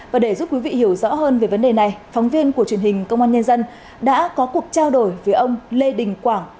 và để giúp quý vị hiểu rõ hơn về vấn đề này phóng viên của truyền hình công an nhân dân đã có cuộc trao đổi với ông lê đình quảng